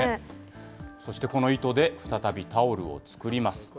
そしてこの糸で再びタオルを作ります。